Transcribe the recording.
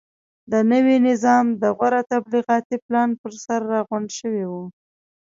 د نوي نظام د غوره تبلیغاتي پلان پرسر راغونډ شوي وو.